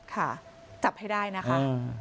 ค่ะจับให้ได้นะคะ